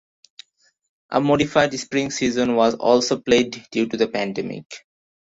A modified spring season was also played due to the pandemic.